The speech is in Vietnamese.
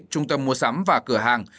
trung tâm mua sắm và cửa hàng